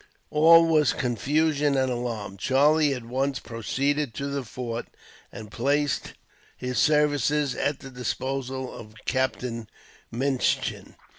All was confusion and alarm. Charlie at once proceeded to the fort, and placed his services at the disposal of Captain Minchin.